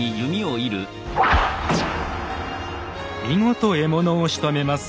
見事獲物をしとめます。